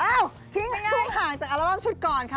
ทิ้งช่วงห่างจากอัลบั้มชุดก่อนค่ะ